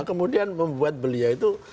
kemudian membuat belia itu